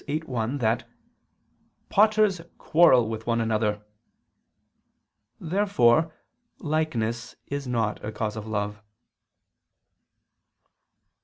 viii, 1) that "potters quarrel with one another." Therefore likeness is not a cause of love. Obj.